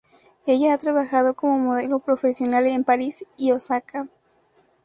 Ella ha trabajado como modelo profesional en París y Osaka.